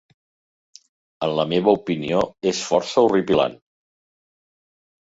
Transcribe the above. En la meva opinió és força horripilant.